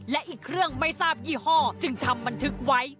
และอีกเครื่องไม่ทราบยี่ห้อจึงทำบันทึกไว้